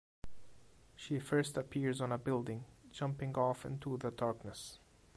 She first appears on a building jumping off into the darkness.